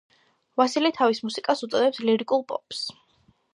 ვასილი თავის მუსიკას უწოდებს ლირიკულ პოპს.